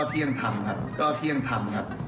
เที่ยงทำครับก็เที่ยงทำครับ